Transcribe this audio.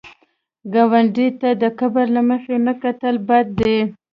ګاونډي ته د کبر له مخې نه کتل بد دي